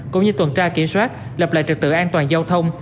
cũng như tuần tra kiểm soát lập lại trực tự an toàn giao thông